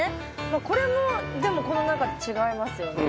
まあこれもでもこの中で違いますよね。